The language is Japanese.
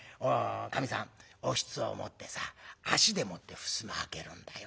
かみさんおひつを持ってさ足でもってふすま開けるんだよ。